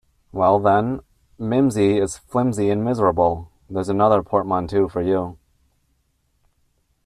Well, then, ‘mimsy’ is ‘flimsy and miserable’ - there’s another portmanteau for you.